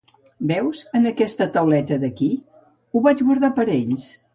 Veus, en aquesta tauleta d'aquí? Ho vaig guardar per a ells.